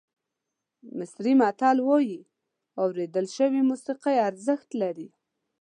مصري متل وایي اورېدل شوې موسیقي ارزښت لري.